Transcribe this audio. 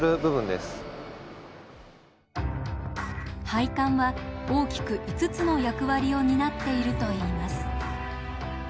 配管は大きく５つの役割を担っているといいます。